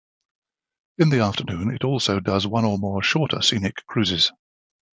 In the afternoon it also does one or more shorter scenic cruises.